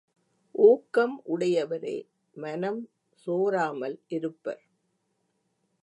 ஊக்கம் உடையவரே மனம் சோராமல் இருப்பர்.